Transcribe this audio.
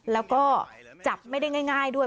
แล้วก็จับไม่ได้ง่ายด้วย